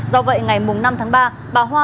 do vậy ngày năm tháng ba bà hoa